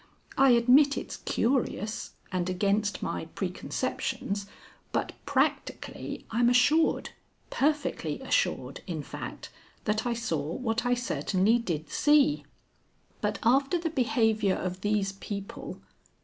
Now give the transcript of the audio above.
I admit it's curious and against my preconceptions, but practically I'm assured, perfectly assured in fact, that I saw what I certainly did see. But after the behaviour of these people.